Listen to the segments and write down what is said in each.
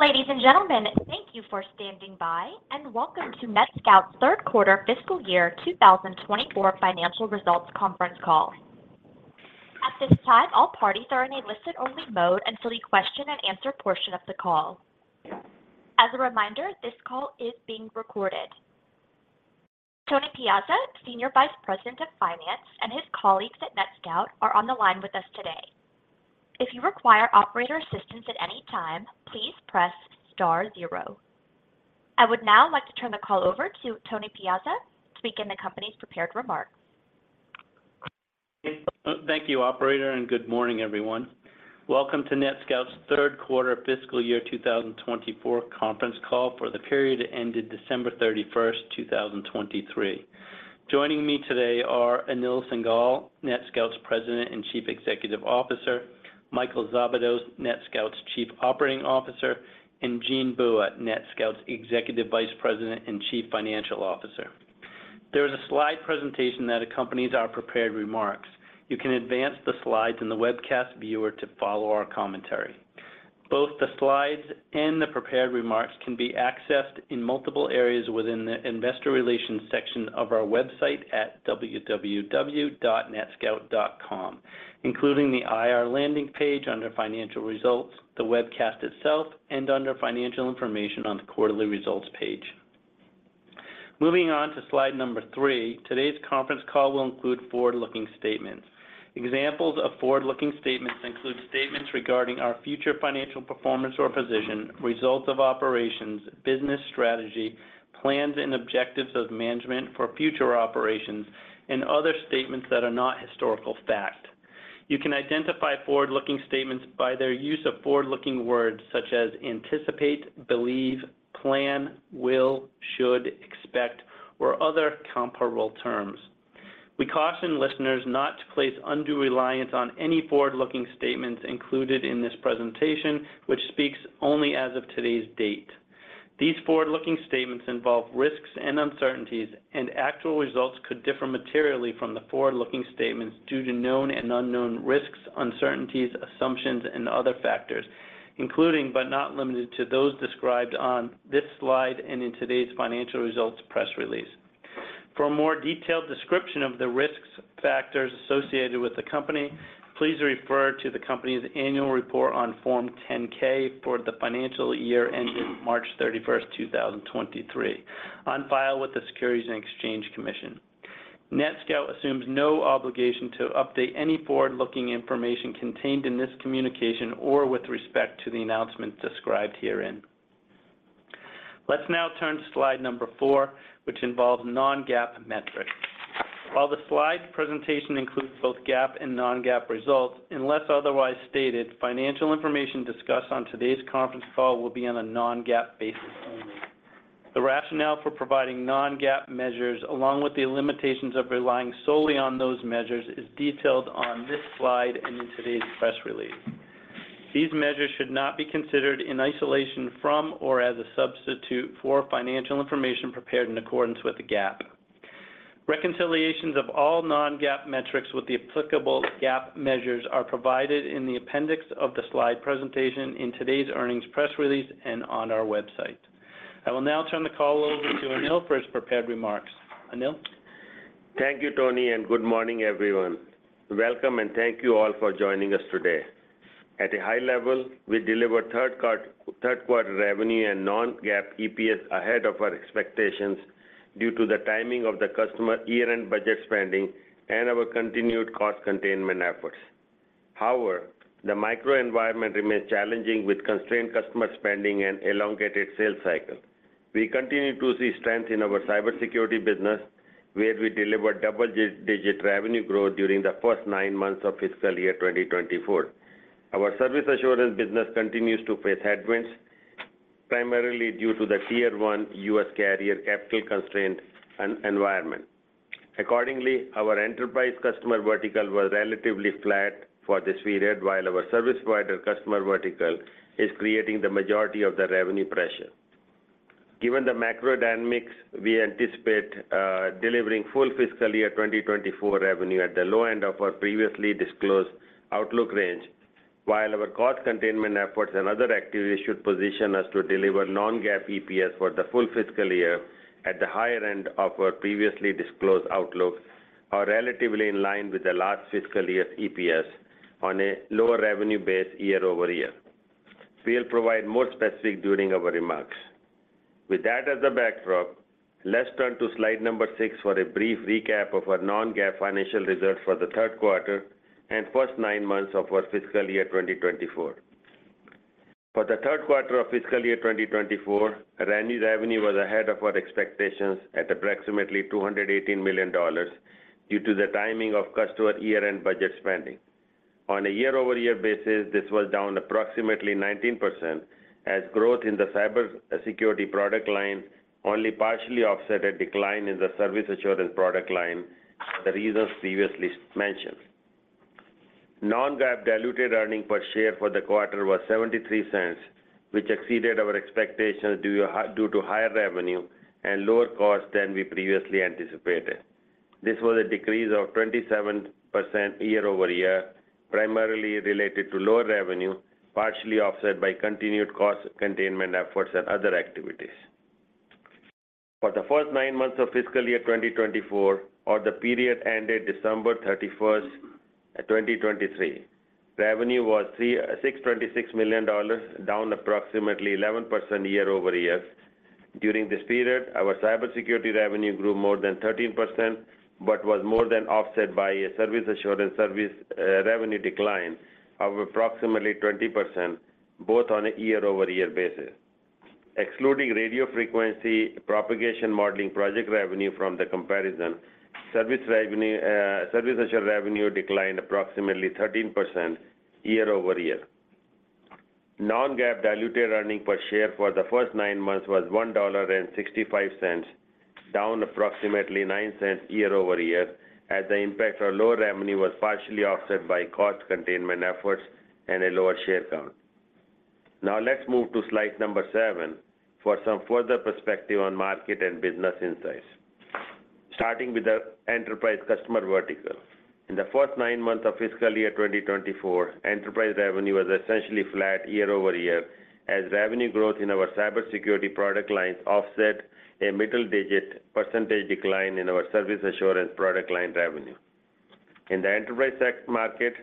Ladies and gentlemen, thank you for standing by, and welcome to NetScout's Third Quarter Fiscal Year 2024 financial results conference call. At this time, all parties are in a listen-only mode until the question-and-answer portion of the call. As a reminder, this call is being recorded. Tony Piazza, Senior Vice President of Finance, and his colleagues at NetScout, are on the line with us today. If you require operator assistance at any time, please press star zero. I would now like to turn the call over to Tony Piazza to begin the company's prepared remarks. Thank you, operator, and good morning, everyone. Welcome to NetScout's Third Quarter Fiscal Year 2024 conference call for the period ended December 31, 2023. Joining me today are Anil Singhal, NetScout's President and Chief Executive Officer; Michael Szabados, NetScout's Chief Operating Officer; and Jean Bua, NetScout's Executive Vice President and Chief Financial Officer. There is a slide presentation that accompanies our prepared remarks. You can advance the slides in the webcast viewer to follow our commentary. Both the slides and the prepared remarks can be accessed in multiple areas within the Investor Relations section of our website at www.netscout.com, including the IR landing page under Financial Results, the webcast itself, and under Financial Information on the Quarterly Results page. Moving on to slide number three, today's conference call will include forward-looking statements. Examples of forward-looking statements include statements regarding our future financial performance or position, results of operations, business strategy, plans and objectives of management for future operations, and other statements that are not historical fact. You can identify forward-looking statements by their use of forward-looking words such as anticipate, believe, plan, will, should, expect, or other comparable terms. We caution listeners not to place undue reliance on any forward-looking statements included in this presentation, which speaks only as of today's date. These forward-looking statements involve risks and uncertainties, and actual results could differ materially from the forward-looking statements due to known and unknown risks, uncertainties, assumptions, and other factors, including, but not limited to, those described on this slide and in today's financial results press release. For a more detailed description of the risk factors associated with the company, please refer to the company's annual report on Form 10-K for the financial year ending March 31, 2023, on file with the Securities and Exchange Commission. NetScout assumes no obligation to update any forward-looking information contained in this communication or with respect to the announcements described herein. Let's now turn to slide number four, which involves non-GAAP metrics. While the slide presentation includes both GAAP and non-GAAP results, unless otherwise stated, financial information discussed on today's conference call will be on a non-GAAP basis only. The rationale for providing non-GAAP measures, along with the limitations of relying solely on those measures, is detailed on this slide and in today's press release. These measures should not be considered in isolation from or as a substitute for financial information prepared in accordance with the GAAP. Reconciliations of all non-GAAP metrics with the applicable GAAP measures are provided in the appendix of the slide presentation in today's earnings press release and on our website. I will now turn the call over to Anil for his prepared remarks. Anil? Thank you, Tony, and good morning, everyone. Welcome, and thank you all for joining us today. At a high level, we delivered third quarter revenue and non-GAAP EPS ahead of our expectations due to the timing of the customer year-end budget spending and our continued cost containment efforts. However, the macro environment remains challenging with constrained customer spending and elongated sales cycle. We continue to see strength in our cybersecurity business, where we delivered double-digit revenue growth during the first nine months of fiscal year 2024. Our service assurance business continues to face headwinds, primarily due to the Tier 1 U.S. carrier capital constraint and environment. Accordingly, our enterprise customer vertical was relatively flat for this period, while our service provider customer vertical is creating the majority of the revenue pressure. Given the macro dynamics, we anticipate delivering full fiscal year 2024 revenue at the low end of our previously disclosed outlook range. While our cost containment efforts and other activities should position us to deliver non-GAAP EPS for the full fiscal year at the higher end of our previously disclosed outlook, are relatively in line with the last fiscal year's EPS on a lower revenue base year-over-year. We'll provide more specifics during our remarks. With that as a backdrop, let's turn to slide number six for a brief recap of our non-GAAP financial results for the third quarter and first nine months of our fiscal year 2024. For the third quarter of fiscal year 2024, revenue was ahead of our expectations at approximately $218 million, due to the timing of customer year-end budget spending. On a year-over-year basis, this was down approximately 19%, as growth in the cybersecurity product line only partially offset a decline in the service assurance product line for the reasons previously mentioned. Non-GAAP diluted earnings per share for the quarter was $0.73, which exceeded our expectations due to higher revenue and lower costs than we previously anticipated. This was a decrease of 27% year-over-year, primarily related to lower revenue, partially offset by continued cost containment efforts and other activities. For the first nine months of fiscal year 2024, or the period ended December 31, 2023, revenue was $626 million, down approximately 11% year-over-year. During this period, our cybersecurity revenue grew more than 13%, but was more than offset by a service assurance service revenue decline of approximately 20%, both on a year-over-year basis. Excluding radio frequency propagation modeling project revenue from the comparison, service revenue, service assurance revenue declined approximately 13% year-over-year. Non-GAAP diluted earnings per share for the first nine months was $1.65, down approximately $0.09 year-over-year, as the impact on lower revenue was partially offset by cost containment efforts and a lower share count. Now, let's move to slide number seven for some further perspective on market and business insights. Starting with the enterprise customer vertical. In the first nine months of fiscal year 2024, enterprise revenue was essentially flat year-over-year, as revenue growth in our cybersecurity product lines offset a middle digit percentage decline in our service assurance product line revenue. In the enterprise sector market,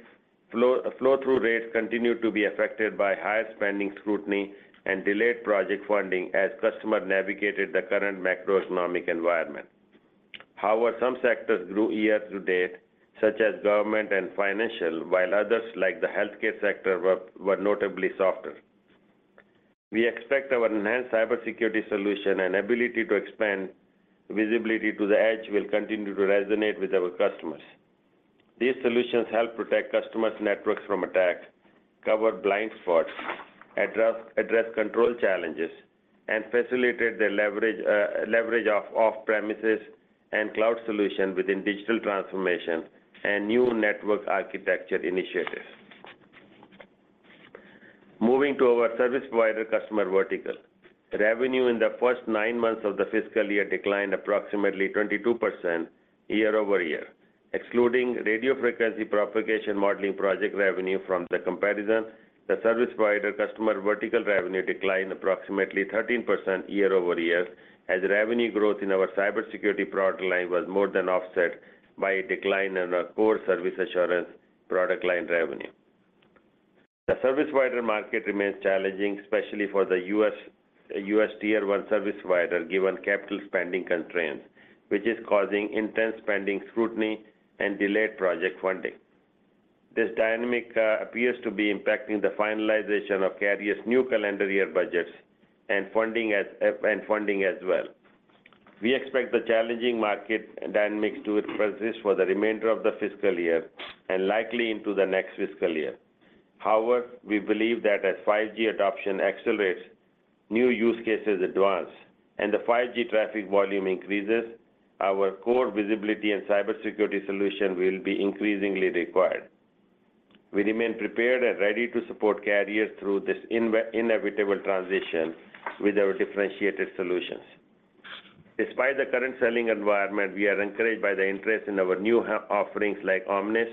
flow, flow-through rates continued to be affected by higher spending scrutiny and delayed project funding as customers navigated the current macroeconomic environment. However, some sectors grew year-to-date, such as government and financial, while others, like the healthcare sector, were notably softer. We expect our enhanced cybersecurity solution and ability to expand visibility to the edge will continue to resonate with our customers. These solutions help protect customers' networks from attacks, cover blind spots, address control challenges, and facilitate the leverage of off-premises and cloud solutions within digital transformation and new network architecture initiatives. Moving to our service provider customer vertical. Revenue in the first nine months of the fiscal year declined approximately 22% year-over-year. Excluding radio frequency propagation modeling project revenue from the comparison, the service provider customer vertical revenue declined approximately 13% year-over-year, as revenue growth in our cybersecurity product line was more than offset by a decline in our core service assurance product line revenue. The service provider market remains challenging, especially for the U.S. Tier 1 service provider, given capital spending constraints, which is causing intense spending scrutiny and delayed project funding. This dynamic appears to be impacting the finalization of carriers' new calendar year budgets and funding as, and funding as well. We expect the challenging market dynamics to persist for the remainder of the fiscal year, and likely into the next fiscal year. However, we believe that as 5G adoption accelerates, new use cases advance, and the 5G traffic volume increases, our core visibility and cybersecurity solution will be increasingly required. We remain prepared and ready to support carriers through this inevitable transition with our differentiated solutions. Despite the current selling environment, we are encouraged by the interest in our new offerings like Omnis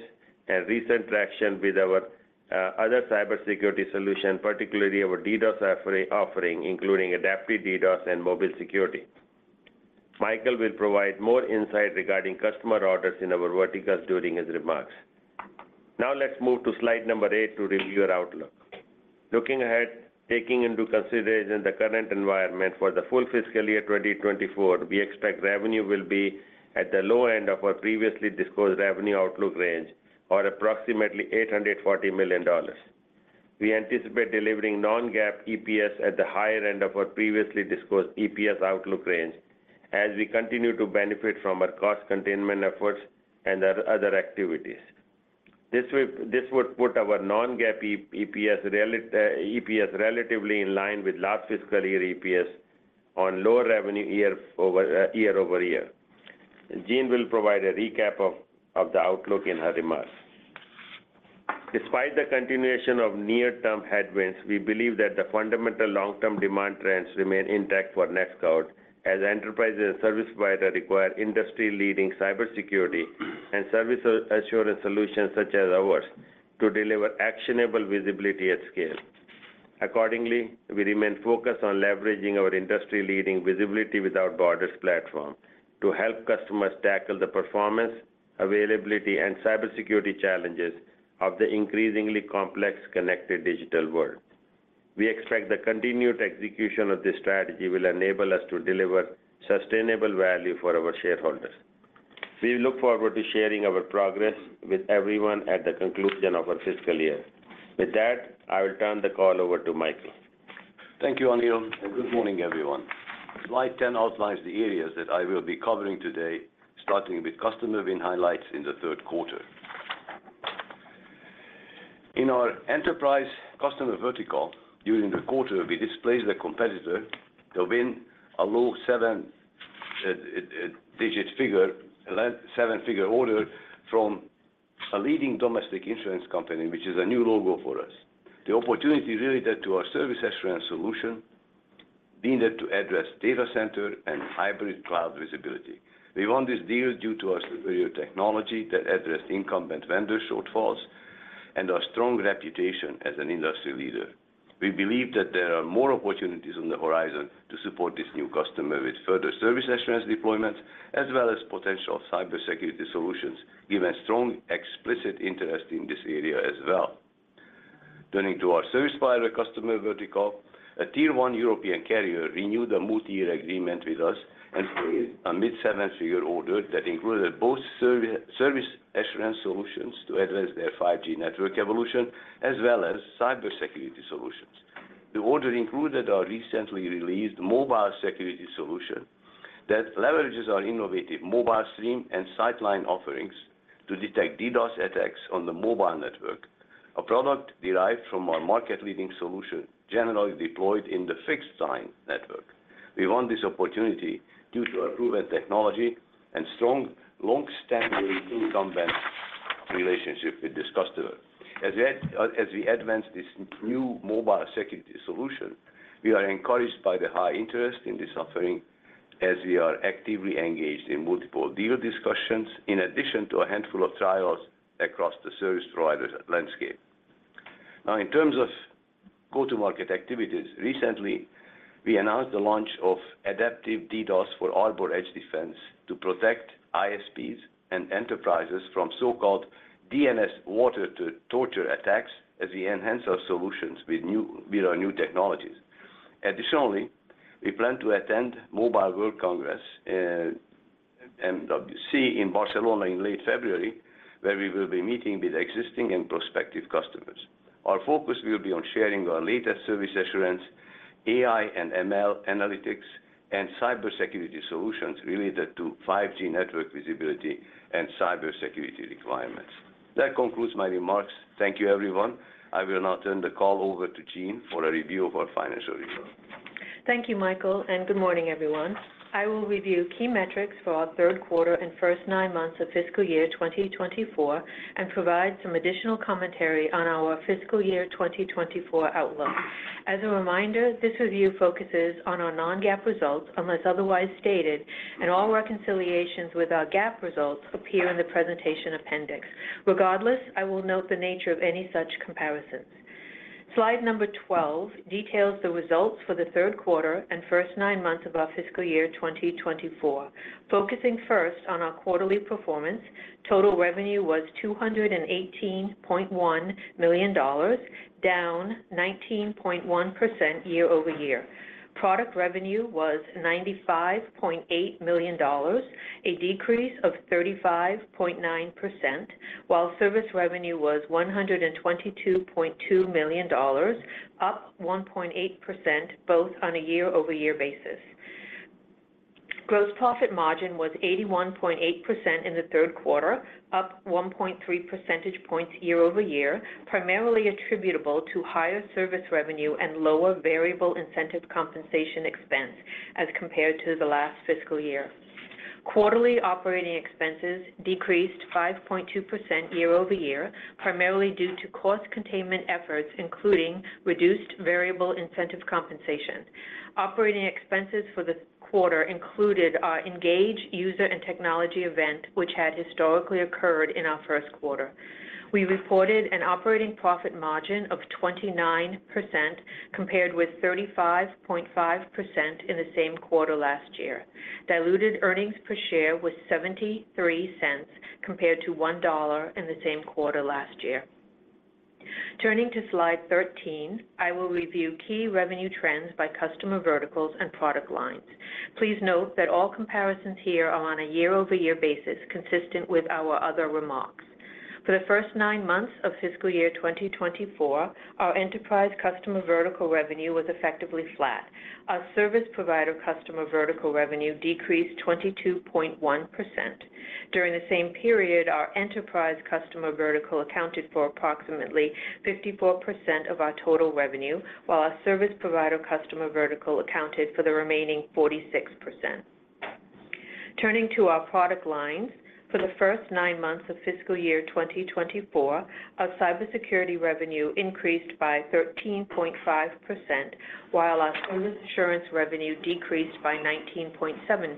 and recent traction with our other cybersecurity solution, particularly our DDoS offering, including Adaptive DDoS and mobile security. Michael will provide more insight regarding customer orders in our verticals during his remarks. Now, let's move to slide number eight to review our outlook. Looking ahead, taking into consideration the current environment for the full fiscal year 2024, we expect revenue will be at the low end of our previously disclosed revenue outlook range, or approximately $840 million. We anticipate delivering non-GAAP EPS at the higher end of our previously disclosed EPS outlook range, as we continue to benefit from our cost containment efforts and our other activities. This would put our non-GAAP EPS relatively in line with last fiscal year EPS on lower revenue year-over-year. Jean will provide a recap of the outlook in her remarks. Despite the continuation of near-term headwinds, we believe that the fundamental long-term demand trends remain intact for NetScout, as enterprises and service providers require industry-leading cybersecurity and service assurance solutions, such as ours, to deliver actionable visibility at scale. Accordingly, we remain focused on leveraging our industry-leading Visibility Without Borders platform to help customers tackle the performance, availability, and cybersecurity challenges of the increasingly complex, connected digital world. We expect the continued execution of this strategy will enable us to deliver sustainable value for our shareholders. We look forward to sharing our progress with everyone at the conclusion of our fiscal year. With that, I will turn the call over to Michael. Thank you, Anil, and good morning, everyone. Slide 10 outlines the areas that I will be covering today, starting with customer win highlights in the third quarter. In our enterprise customer vertical, during the quarter, we displaced a competitor to win a low seven-digit figure, a seven-figure order from a leading domestic insurance company, which is a new logo for us. The opportunity related to our service assurance solution needed to address data center and hybrid cloud visibility. We won this deal due to our superior technology that addressed incumbent vendors' shortfalls, and our strong reputation as an industry leader. We believe that there are more opportunities on the horizon to support this new customer with further service assurance deployments, as well as potential cybersecurity solutions, given strong explicit interest in this area as well. Turning to our service provider customer vertical, a Tier 1 European carrier renewed a multi-year agreement with us and placed a mid-seven-figure order that included both service, service assurance solutions to address their 5G network evolution, as well as cybersecurity solutions. The order included our recently released mobile security solution that leverages our innovative MobileStream and Sightline offerings to detect DDoS attacks on the mobile network, a product derived from our market-leading solution, generally deployed in the fixed line network. We won this opportunity due to our proven technology and strong, long-standing incumbent relationship with this customer. As we advance this new mobile security solution, we are encouraged by the high interest in this offering as we are actively engaged in multiple deal discussions, in addition to a handful of trials across the service provider landscape. Now, in terms of go-to-market activities, recently, we announced the launch of Adaptive DDoS for Arbor Edge Defense to protect ISPs and enterprises from so-called DNS water torture attacks as we enhance our solutions with our new technologies. Additionally, we plan to attend Mobile World Congress, MWC in Barcelona in late February, where we will be meeting with existing and prospective customers. Our focus will be on sharing our latest service assurance, AI and ML analytics, and cybersecurity solutions related to 5G network visibility and cybersecurity requirements. That concludes my remarks. Thank you, everyone. I will now turn the call over to Jean for a review of our financial results. Thank you, Michael, and good morning, everyone. I will review key metrics for our third quarter and first nine months of fiscal year 2024, and provide some additional commentary on our fiscal year 2024 outlook. As a reminder, this review focuses on our non-GAAP results, unless otherwise stated, and all reconciliations with our GAAP results appear in the presentation appendix. Regardless, I will note the nature of any such comparisons. Slide number 12 details the results for the third quarter and first nine months of our fiscal year 2024. Focusing first on our quarterly performance, total revenue was $218.1 million, down 19.1% year-over-year. Product revenue was $95.8 million, a decrease of 35.9%, while service revenue was $122.2 million, up 1.8%, both on a year-over-year basis. Gross profit margin was 81.8% in the third quarter, up 1.3 percentage points year-over-year, primarily attributable to higher service revenue and lower variable incentive compensation expense as compared to the last fiscal year. Quarterly operating expenses decreased 5.2% year-over-year, primarily due to cost containment efforts, including reduced variable incentive compensation. Operating expenses for the quarter included our ENGAGE user and technology event, which had historically occurred in our first quarter. We reported an operating profit margin of 29%, compared with 35.5% in the same quarter last year. Diluted earnings per share was $0.73, compared to $1 in the same quarter last year. Turning to slide 13, I will review key revenue trends by customer verticals and product lines. Please note that all comparisons here are on a year-over-year basis, consistent with our other remarks. For the first nine months of fiscal year 2024, our enterprise customer vertical revenue was effectively flat. Our service provider customer vertical revenue decreased 22.1%. During the same period, our enterprise customer vertical accounted for approximately 54% of our total revenue, while our service provider customer vertical accounted for the remaining 46%. Turning to our product lines, for the first nine months of fiscal year 2024, our cybersecurity revenue increased by 13.5%, while our service assurance revenue decreased by 19.7%.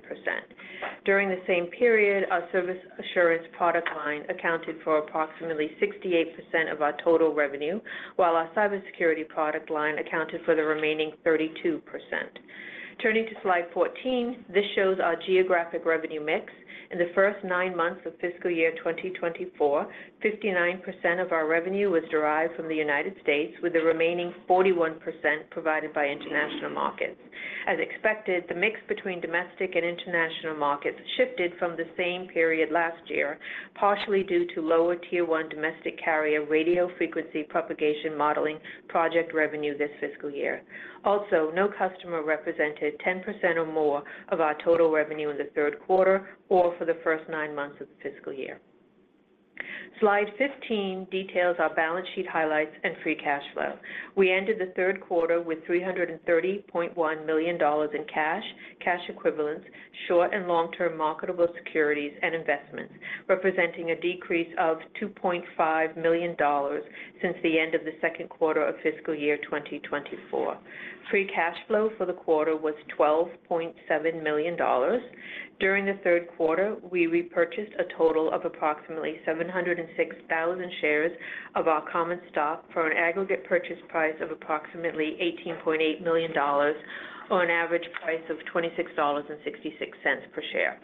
During the same period, our service assurance product line accounted for approximately 68% of our total revenue, while our cybersecurity product line accounted for the remaining 32%. Turning to slide 14, this shows our geographic revenue mix. In the first nine months of fiscal year 2024, 59% of our revenue was derived from the United States, with the remaining 41% provided by international markets. As expected, the mix between domestic and international markets shifted from the same period last year, partially due to lower Tier 1 domestic carrier radio frequency propagation modeling project revenue this fiscal year. Also, no customer represented 10% or more of our total revenue in the third quarter or for the first nine months of the fiscal year. Slide 15 details our balance sheet highlights and free cash flow. We ended the third quarter with $330.1 million in cash, cash equivalents, short- and long-term marketable securities and investments, representing a decrease of $2.5 million since the end of the second quarter of fiscal year 2024. Free cash flow for the quarter was $12.7 million. During the third quarter, we repurchased a total of approximately 706,000 shares of our common stock for an aggregate purchase price of approximately $18.8 million, or an average price of $26.66 per share.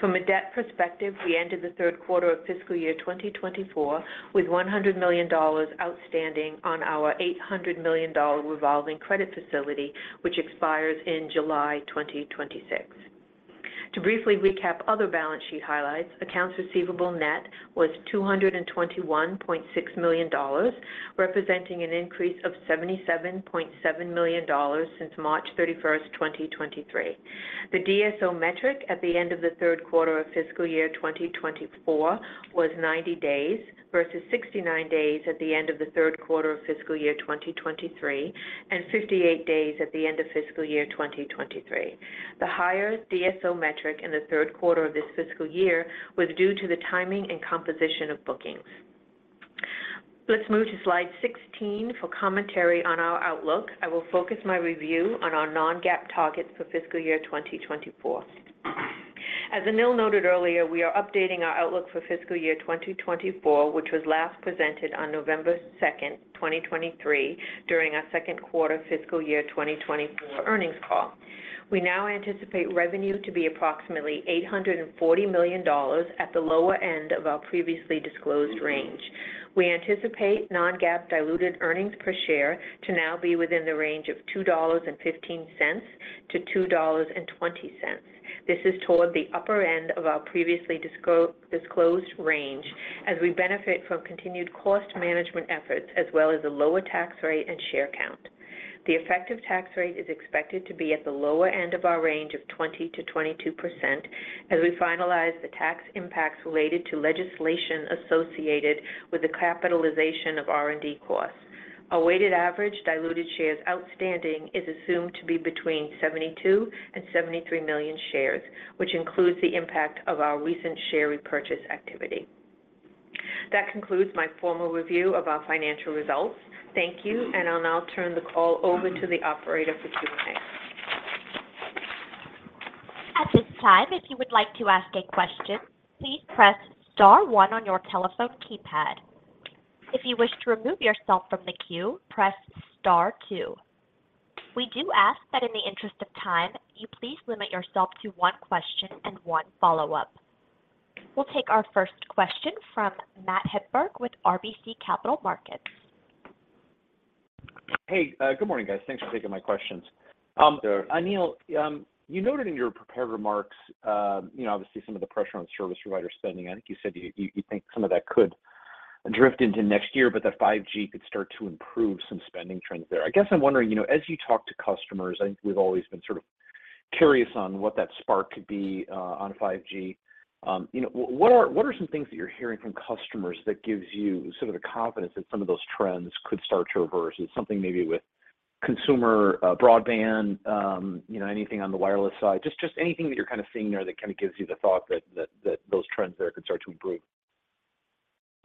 From a debt perspective, we ended the third quarter of fiscal year 2024 with $100 million outstanding on our $800 million revolving credit facility, which expires in July 2026. To briefly recap other balance sheet highlights, accounts receivable net was $221.6 million, representing an increase of $77.7 million since March 31, 2023. The DSO metric at the end of the third quarter of fiscal year 2024 was 90 days, versus 69 days at the end of the third quarter of fiscal year 2023, and 58 days at the end of fiscal year 2023. The higher DSO metric in the third quarter of this fiscal year was due to the timing and composition of bookings. Let's move to slide 16 for commentary on our outlook. I will focus my review on our non-GAAP targets for fiscal year 2024. As Anil noted earlier, we are updating our outlook for fiscal year 2024, which was last presented on November 2, 2023, during our second quarter fiscal year 2024 earnings call. We now anticipate revenue to be approximately $840 million at the lower end of our previously disclosed range. We anticipate non-GAAP diluted earnings per share to now be within the range of $2.15-$2.20. This is toward the upper end of our previously disclosed range, as we benefit from continued cost management efforts, as well as a lower tax rate and share count. The effective tax rate is expected to be at the lower end of our range of 20%-22%, as we finalize the tax impacts related to legislation associated with the capitalization of R&D costs. Our weighted average diluted shares outstanding is assumed to be between 72 million and 73 million shares, which includes the impact of our recent share repurchase activity. That concludes my formal review of our financial results. Thank you, and I'll now turn the call over to the operator for Q&A. At this time, if you would like to ask a question, please press star one on your telephone keypad. If you wish to remove yourself from the queue, press star two. We do ask that in the interest of time, you please limit yourself to one question and one follow-up. We'll take our first question from Matt Hedberg, with RBC Capital Markets. Hey, good morning, guys. Thanks for taking my questions. Sure. Anil, you noted in your prepared remarks, you know, obviously some of the pressure on service provider spending. I think you said you think some of that could drift into next year, but that 5G could start to improve some spending trends there. I guess I'm wondering, you know, as you talk to customers, I think we've always been sort of curious on what that spark could be, on 5G. You know, what are some things that you're hearing from customers that gives you some of the confidence that some of those trends could start to reverse? Is something maybe with consumer broadband, you know, anything on the wireless side, just anything that you're kind of seeing there that kind of gives you the thought that those trends there could start to improve?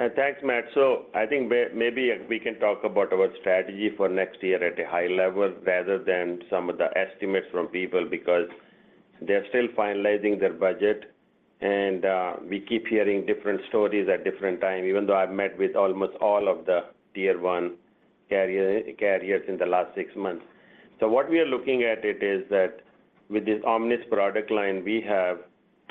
Thanks, Matt. So I think maybe we can talk about our strategy for next year at a high level rather than some of the estimates from people, because they're still finalizing their budget, and we keep hearing different stories at different times, even though I've met with almost all of the Tier 1 carriers in the last six months. So what we are looking at it is that with this Omnis product line, we have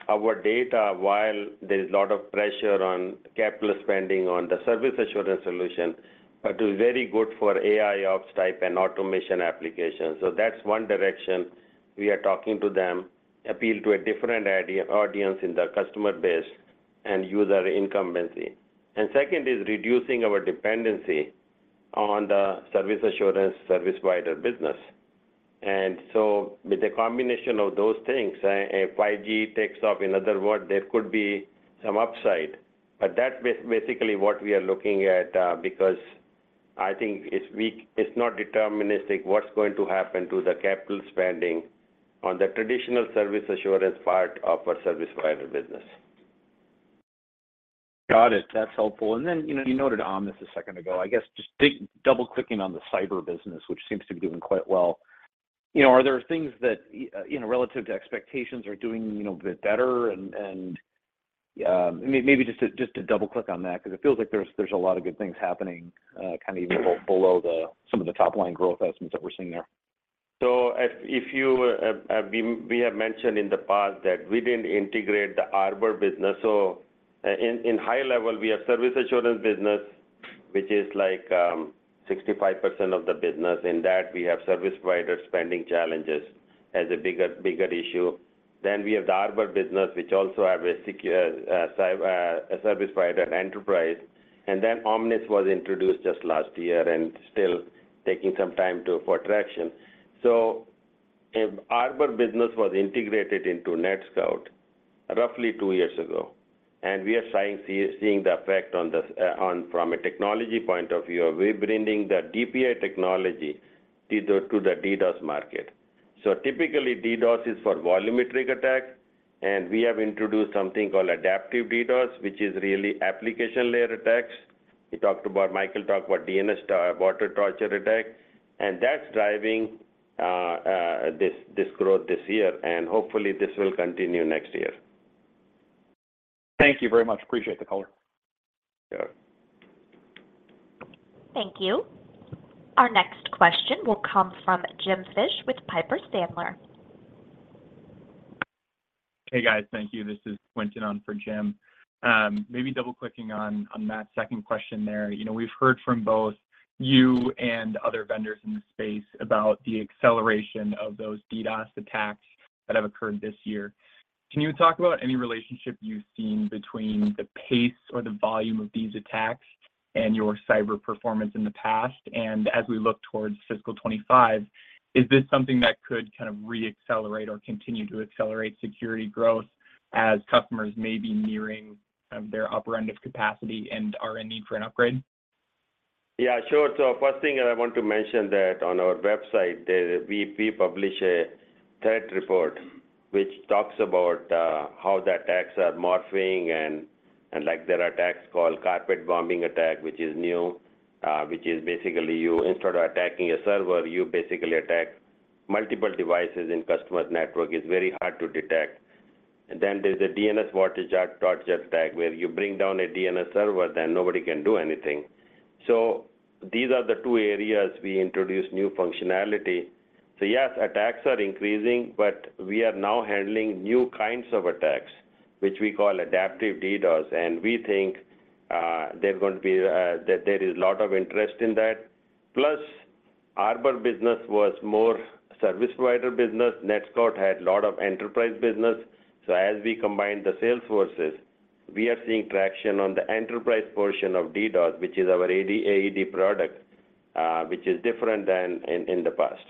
our data, while there is a lot of pressure on capital spending on the service assurance solution, but do very good for AIOps type and automation applications. So that's one direction we are talking to them, appeal to a different audience in their customer base and use our incumbency. And second is reducing our dependency on the service assurance, service provider business. And so with the combination of those things, if 5G takes off, in other words, there could be some upside. But that's basically what we are looking at, because I think it's not deterministic what's going to happen to the capital spending on the traditional service assurance part of our service provider business. Got it. That's helpful. And then, you know, you noted Omnis a second ago. I guess just double-clicking on the cyber business, which seems to be doing quite well. You know, are there things that, you know, relative to expectations are doing, you know, a bit better? And, and, maybe just to, just to double-click on that, because it feels like there's, there's a lot of good things happening, kinda even below some of the top-line growth estimates that we're seeing there. So we have mentioned in the past that we didn't integrate the Arbor business. So in high level, we have service assurance business, which is like 65% of the business. In that, we have service provider spending challenges as a bigger issue. Then we have the Arbor business, which also have a secure cyber service provider enterprise. And then Omnis was introduced just last year and still taking some time for traction. And Arbor business was integrated into NetScout roughly two years ago, and we are seeing the effect from a technology point of view. We're bringing the DPI technology to the DDoS market. So typically, DDoS is for volumetric attack, and we have introduced something called Adaptive DDoS, which is really application layer attacks. Michael talked about DNS Water Torture attack, and that's driving this growth this year, and hopefully this will continue next year. Thank you very much. Appreciate the color. Sure. Thank you. Our next question will come from Jim Fish with Piper Sandler. Hey, guys. Thank you. This is Quinton on for Jim. Maybe double-clicking on Matt's second question there. You know, we've heard from both you and other vendors in the space about the acceleration of those DDoS attacks that have occurred this year. Can you talk about any relationship you've seen between the pace or the volume of these attacks and your cyber performance in the past? And as we look towards fiscal 2025, is this something that could kind of re-accelerate or continue to accelerate security growth as customers may be nearing their upper end of capacity and are in need for an upgrade? Yeah, sure. So first thing, I want to mention that on our website, there, we publish a threat report, which talks about how the attacks are morphing, and like there are attacks called carpet bombing attack, which is new, which is basically you—instead of attacking a server, you basically attack multiple devices in customer's network. It's very hard to detect. And then there's a DNS water torture attack, where you bring down a DNS server, then nobody can do anything. So these are the two areas we introduce new functionality. So yes, attacks are increasing, but we are now handling new kinds of attacks, which we call Adaptive DDoS, and we think there's going to be that there is a lot of interest in that. Plus, Arbor business was more service provider business. NetScout had a lot of enterprise business. As we combine the sales forces, we are seeing traction on the enterprise portion of DDoS, which is our AED product, which is different than in the past.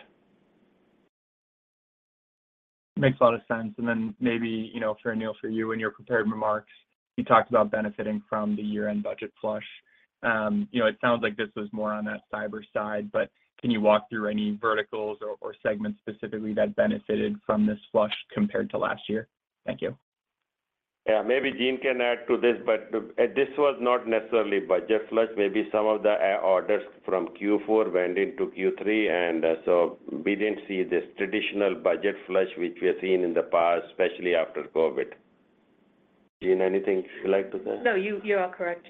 Makes a lot of sense. And then maybe, you know, for Anil, for you, in your prepared remarks, you talked about benefiting from the year-end budget flush. You know, it sounds like this was more on that cyber side, but can you walk through any verticals or, or segments specifically that benefited from this flush compared to last year? Thank you. Yeah. Maybe Jean can add to this, but this was not necessarily budget flush. Maybe some of the orders from Q4 went into Q3, and so we didn't see this traditional budget flush, which we have seen in the past, especially after COVID. Jean, anything you'd like to say? No, you, you are correct,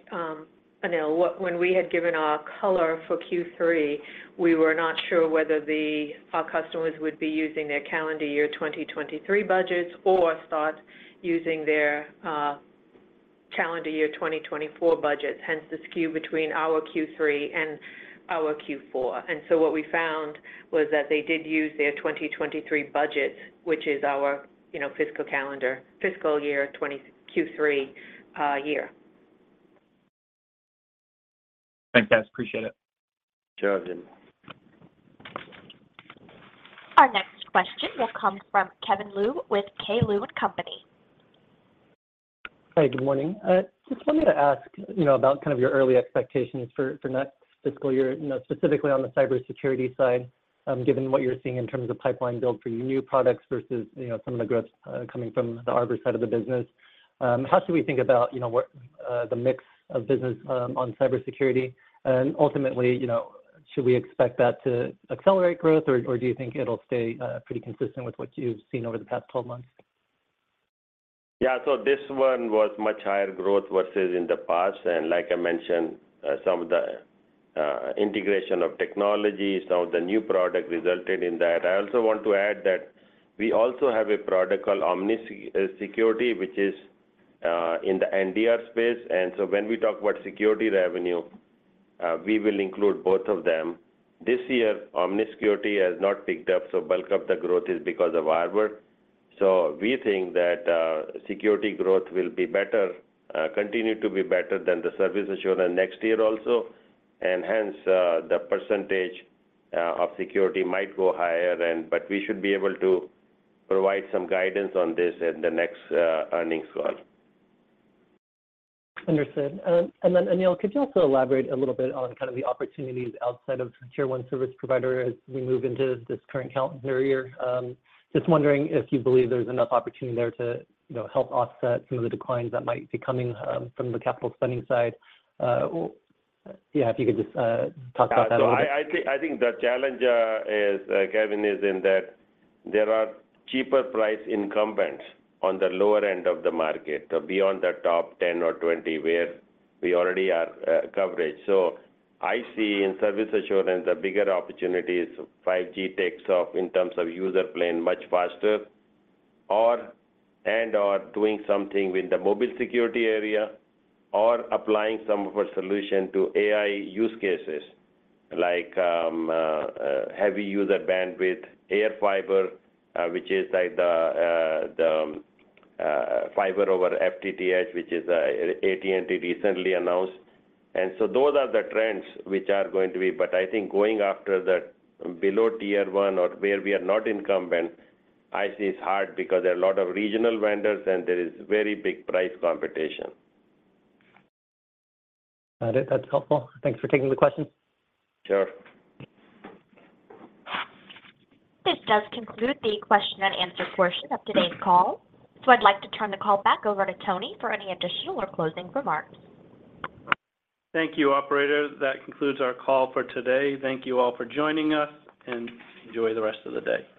Anil. What- When we had given our color for Q3, we were not sure whether the our customers would be using their calendar year 2023 budgets or start using their, calendar year 2024 budgets, hence the skew between our Q3 and our Q4. And so what we found was that they did use their 2023 budgets, which is our, you know, fiscal calendar, fiscal year 2023, year. Thanks, guys. Appreciate it. Sure, Quinton. Our next question will come from Kevin Liu with K. Liu & Company. Hi, good morning. Just wanted to ask, you know, about kind of your early expectations for, for next fiscal year, you know, specifically on the cybersecurity side, given what you're seeing in terms of pipeline build for new products versus, you know, some of the growth, coming from the Arbor side of the business. How should we think about, you know, what, the mix of business, on cybersecurity? Ultimately, you know, should we expect that to accelerate growth, or, or do you think it'll stay, pretty consistent with what you've seen over the past 12 months? Yeah. So this one was much higher growth versus in the past, and like I mentioned, some of the integration of technology, some of the new product resulted in that. I also want to add that we also have a product called Omnis Security, which is in the NDR space. And so when we talk about security revenue, we will include both of them. This year, Omnis Security has not picked up, so bulk of the growth is because of Arbor. So we think that security growth will be better, continue to be better than the service assurance next year also, and hence the percentage of security might go higher then, but we should be able to provide some guidance on this in the next earnings call. Understood. And then, Anil, could you also elaborate a little bit on kind of the opportunities outside of Tier 1 service provider as we move into this current calendar year? Just wondering if you believe there's enough opportunity there to, you know, help offset some of the declines that might be coming from the capital spending side. Yeah, if you could just talk about that a little bit. So I think the challenge, Kevin, is in that there are cheaper price incumbents on the lower end of the market, beyond the top 10 or 20, where we already are covered. So I see in service assurance, the bigger opportunities, 5G takes off in terms of user plane much faster or, and/or doing something with the mobile security area or applying some of our solution to AI use cases like heavy user bandwidth, Air Fiber, which is like the fiber over FTTH, which is AT&T recently announced. And so those are the trends which are going to be. But I think going after the below Tier 1 or where we are not incumbent, I see it's hard because there are a lot of regional vendors, and there is very big price competition. Got it. That's helpful. Thanks for taking the question. Sure. This does conclude the question and answer portion of today's call. So I'd like to turn the call back over to Tony for any additional or closing remarks. Thank you, operator. That concludes our call for today. Thank you all for joining us, and enjoy the rest of the day.